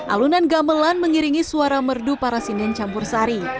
alunan gamelan mengiringi suara merdu para sinen campur sari